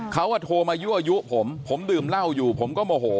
เขาโทรมายั่วยุผมผมดื่มเหล้าอยู่ผมก็โมโห